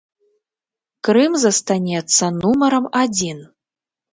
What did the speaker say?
Крым застанецца нумарам адзін.